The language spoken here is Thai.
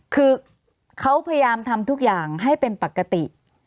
คือเขาพยายามทำทุกอย่างให้เป็นปกติ